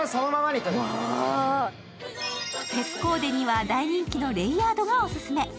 フェスコーデには大人気のレイヤードがオススメ。